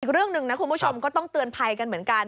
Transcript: อีกเรื่องหนึ่งนะคุณผู้ชมก็ต้องเตือนภัยกันเหมือนกัน